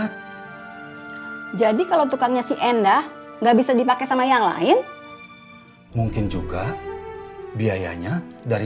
jadi kalau tukangnya si endah nggak bisa dipakai sama yang lain mungkin juga biayanya dari